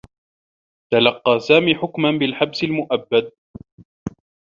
تلقّى سامي حكما بالحبس المؤبّد.